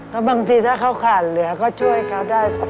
แล้วบางทีถ้าเขาขาดเหลือก็ช่วยเขาได้